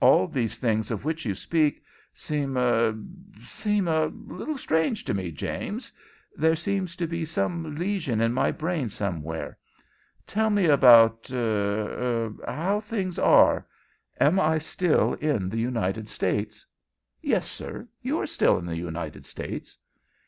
All these things of which you speak seem er seem a little strange to me, James. There seems to be some lesion in my brain somewhere. Tell me about er how things are. Am I still in the United States?" "Yes, sir, you are still in the United States."